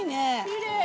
きれい！